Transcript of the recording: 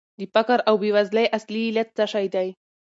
د فقر او بېوزلۍ اصلي علت څه شی دی؟